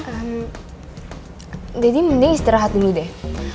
em daddy mending istirahat dulu deh